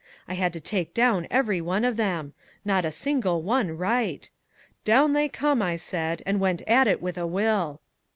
I had to take down every one of them not a single one right, 'Down they come,' I said, and went at it with a will."